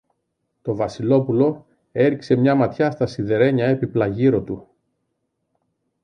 Το Βασιλόπουλο έριξε μια ματιά στα σιδερένια έπιπλα γύρω του.